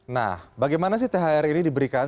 nah bagaimana sih thr ini diberikan